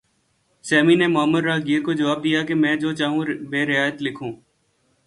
semi نے معمر راہگیر کو جواب دیا کہ میں جو چاہوں بہ رعایت لکھوں